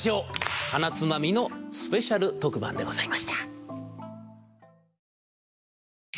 『はなつまみ』のスペシャル特番でございました。